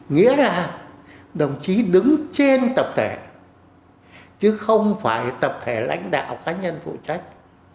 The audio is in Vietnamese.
nghĩa là đồng chí đứng trên tập thể chứ không phải tập thể lãnh đạo cá nhân phụ trách